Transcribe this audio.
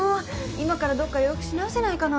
今からどっか予約し直せないかな。